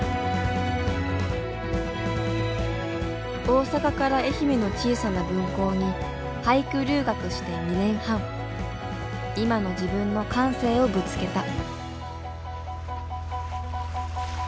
大阪から愛媛の小さな分校に「俳句留学」して２年半今の自分の感性をぶつけた。